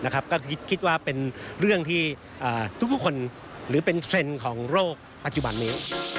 ก็คิดว่าเป็นเรื่องที่ทุกคนหรือเป็นเทรนด์ของโรคปัจจุบันนี้